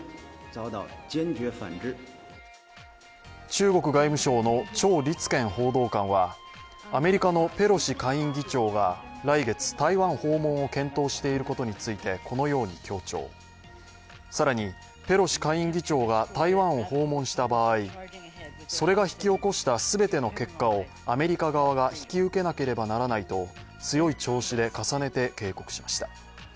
中国外務省の趙立堅報道官はアメリカのペロシ下院議長が来月、台湾訪問を検討していることについてこのように強調さらにペロシ下院議長が台湾を訪問した場合それが引き起こした全ての結果をアメリカ側が引き受けなければならないと強い調子で重ねて警告しました。